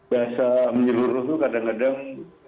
bahasa menyeluruh itu kadang kadang